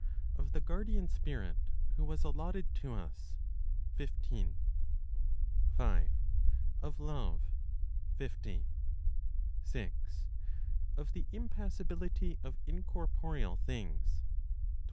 Of the Guardian Spirit who was Allotted to Us, 15. 5. Of Love, 50. 6. Of the Impassibility of Incorporeal Things, 26.